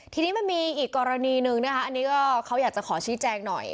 ทีนี้มันมีอีกกรณีหนึ่งนะคะอันนี้ก็เขาอยากจะขอชี้แจงหน่อย